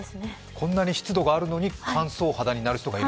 こんなに湿度があるのに乾燥肌になる人がいる。